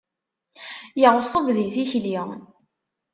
Yeɣṣeb di tikli.